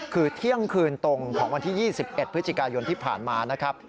คือเที่ยงคืนตรงของวันที่๒๑พฤศจิกายนที่ผ่านมานะครับ